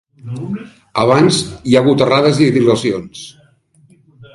Abans hi ha hagut errades i dilacions.